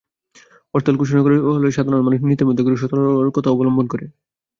হরতাল ঘোষণা করা হলে সাধারণ মানুষ নিজেদের মতো করে সতর্কতা অবলম্বন করে।